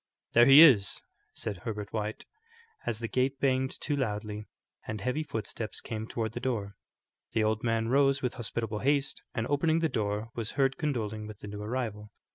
"There he is," said Herbert White, as the gate banged to loudly and heavy footsteps came toward the door. The old man rose with hospitable haste, and opening the door, was heard condoling with the new arrival.